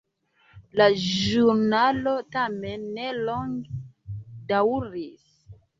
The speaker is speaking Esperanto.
La ĵurnalo tamen ne longe daŭris.